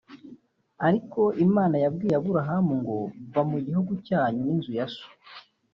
Ariko Imana yabwiye Aburahamu ngo va mu gihugu cyanyu n’inzu ya so